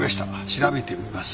調べてみます。